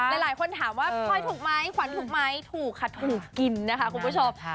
และหลายคนถามว่าพ่อยถูกมั้ยขวัญถูกมั้ยถูกค่ะถูกกินนะคะคุณผู้ชมค่ะ